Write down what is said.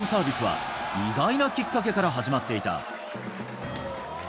このファンサービスは、意外なきっかけから始まっていた。